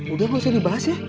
udah gak usah dibahas ya